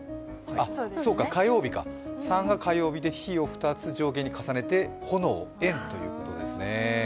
そうか、火曜日か、３が火曜日で火を２つ上下に重ねて炎ということですね。